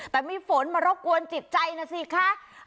แต่มีฝนมารบกวนจิตใจนะสิคะ